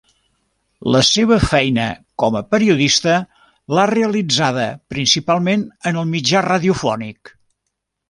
La seva feina com a periodista l'ha realitzada principalment en el mitjà radiofònic.